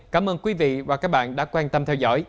cảm ơn quý vị và các bạn đã quan tâm theo dõi